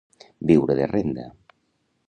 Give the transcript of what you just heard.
Viure de renda.